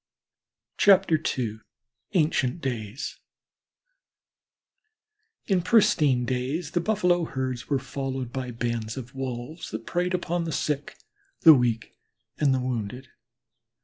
II ANCIENT DAYS In pristine days the Buffalo herds were followed by bands of Wolves that preyed on the sick, the weak, and the wounded.